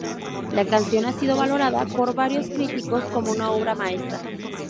La canción ha sido valorada por varios críticos como una obra maestra.